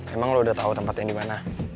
emang lo udah tau tempatnya dimana